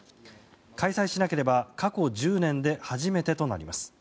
開催しなければ過去１０年で初めてとなります。